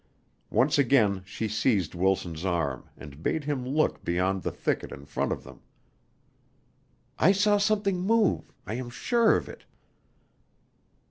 Once again she seized Wilson's arm and bade him look beyond the thicket in front of them. "I saw something move. I am sure of it."